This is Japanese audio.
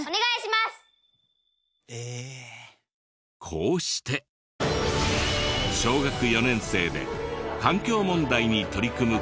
こうして小学４年生で環境問題に取り組む企業を設立。